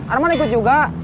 arman ikut juga